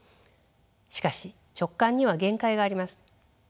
しかし直観には限界があります。